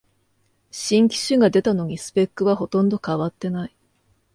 新機種が出たのにスペックはほとんど変わってない